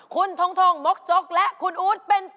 คุณทงมกจกและคุณอู๊ดเป็น